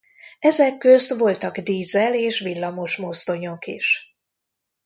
Ezek közt voltak dízel- és villamosmozdonyok is.